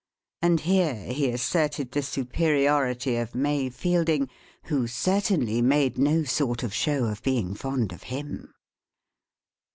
And here he asserted the superiority of May Fielding, who certainly made no sort of show of being fond of him.